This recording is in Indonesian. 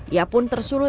ia pun tersenyum